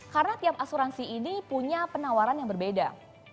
karena tiap asuransi ini punya penawaran yang berbeda